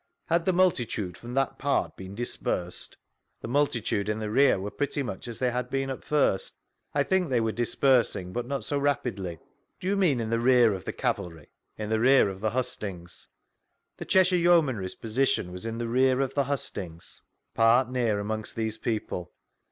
'Uskd the multitude from that part been dis persed? — The multitude in the rear were pretty much as they had been at first. I think they were dispersing, but not so rapidly. Do you mean in the tear of the cavalry P — In the rear of the hustings. The Cheshiie Yeomanry's position was in the rear ttf the hustings?— Part near amoogst these peoide.